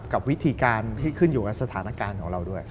กับวิธีการที่ขึ้นอยู่กับสถานการณ์ของเราด้วย